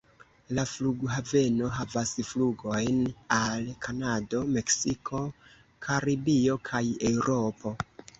La flughaveno havas flugojn al Kanado, Meksiko, Karibio kaj Eŭropo.